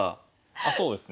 あそうですね。